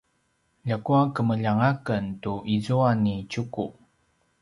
ljakua kemeljang a ken tu izua ni Tjuku